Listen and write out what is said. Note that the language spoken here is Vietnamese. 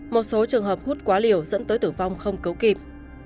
một số trường hợp hút quá liều dẫn tới tử vong không cấu kịp